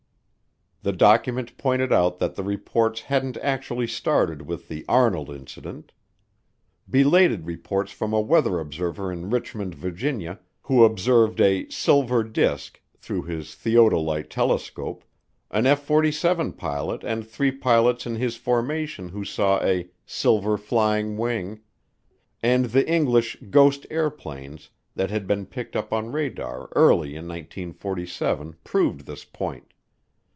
The document pointed out that the reports hadn't actually started with the Arnold Incident. Belated reports from a weather observer in Richmond, Virginia, who observed a "silver disk" through his theodolite telescope; an F 47 pilot and three pilots in his formation who saw a "silver flying wing," and the English "ghost airplanes" that had been picked up on radar early in 1947 proved this point.